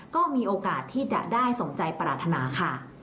ก็มีโอกาสที่จะได้สมใจปรารถนาค่ะ